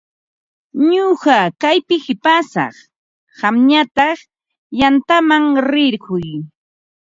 Ñuqa kaypi qipasaq, qamñataq yantaman rirquy.